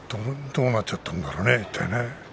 どうなっちゃったんだろうね。